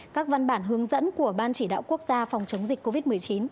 các văn bản hướng dẫn của ban chỉ đạo quốc gia phòng chống dịch covid một mươi chín